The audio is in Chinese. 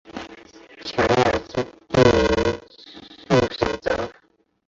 乔雅是一名素食者。